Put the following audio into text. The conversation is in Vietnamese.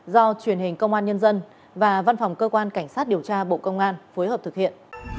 lệnh công an nhân dân và văn phòng cơ quan cảnh sát điều tra bộ công an phối hợp thực hiện